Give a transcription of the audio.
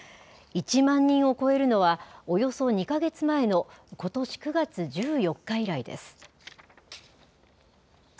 １万人を超えるのは、およそ２か月前のことし９月１４日以来です。